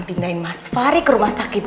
pindahin mas fahri ke rumah sakit